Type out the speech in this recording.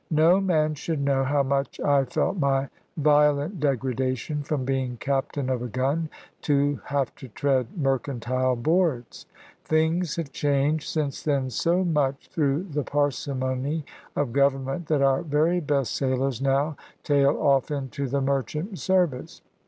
No man should know how much I felt my violent degradation from being captain of a gun, to have to tread mercantile boards! Things have changed since then so much, through the parsimony of Government, that our very best sailors now tail off into the Merchant service.